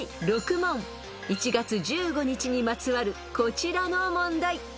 ［１月１５日にまつわるこちらの問題］